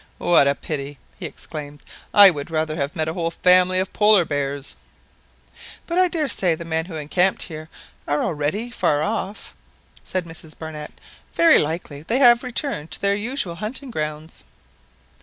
"What a pity!" he exclaimed. "I would rather have met a whole family of polar bears!" "But I daresay the men who encamped here are already far off," said Mrs Barnett; "very likely they have returned to their usual hunting grounds."